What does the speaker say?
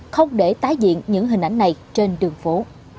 không để tái diện những hình ảnh này trên đường phố